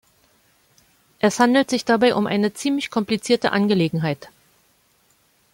Es handelt sich dabei um eine ziemlich komplizierte Angelegenheit.